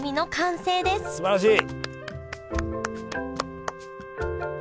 すばらしい！